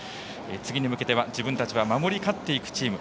次に向けては、自分たちは守り勝っていくチーム。